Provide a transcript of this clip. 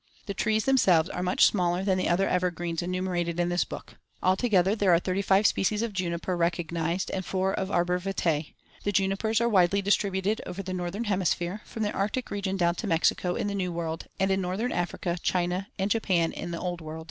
The trees themselves are much smaller than the other evergreens enumerated in this book. Altogether, there are thirty five species of juniper recognized and four of arbor vitae. The junipers are widely distributed over the northern hemisphere, from the Arctic region down to Mexico in the New World, and in northern Africa, China, and Japan in the Old World.